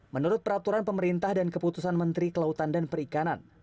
menurut peraturan pemerintah dan keputusan menteri kelautan dan perikanan